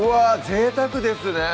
ぜいたくですね！